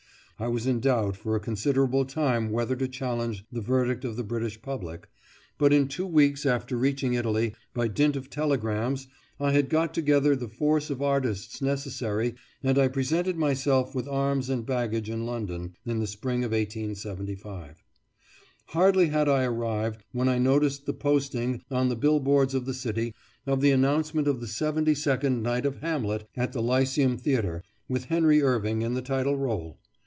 I was in doubt for a considerable time whether to challenge the verdict of the British public; but in two weeks after reaching Italy, by dint of telegrams I had got together the force of artists necessary, and I presented myself with arms and baggage in London, in the spring of 1875. Hardly had I arrived, when I noticed the posting, on the bill boards of the city, of the announcement of the seventy second night of "Hamlet" at the Lyceum Theatre, with Henry Irving in the title role.